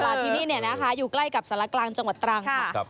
ที่นี่เนี่ยนะคะอยู่ใกล้กับสารกลางจังหวัดตรังค่ะ